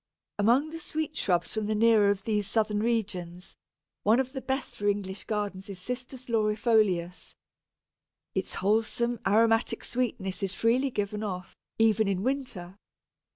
Among the sweet shrubs from the nearer of these southern regions, one of the best for English gardens is Cistus laurifolius. Its wholesome, aromatic sweetness is freely given off, even in winter.